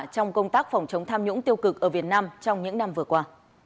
trong công tác phòng chống tham nhũng tiêu cực ở việt nam trong những năm vừa qua